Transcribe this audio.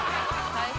◆大変。